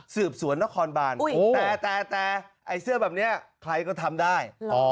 สืบสวนนครบานแต่ไอ้เสื้อแบบนี้ใครก็ทำได้